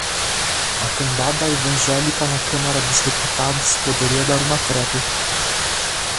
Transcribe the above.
A cambada evangélica na Câmara dos Deputados poderia dar uma trégua